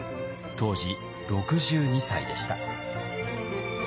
当時６２歳でした。